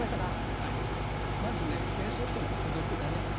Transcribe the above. はいまずね天才ってのは孤独だね。